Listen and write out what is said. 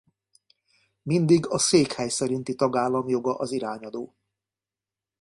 Mindig a székhely szerinti tagállam joga az irányadó.